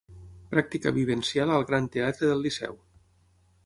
Pràctica vivencial al Gran Teatre del Liceu.